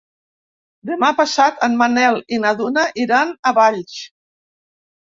Demà passat en Manel i na Duna iran a Valls.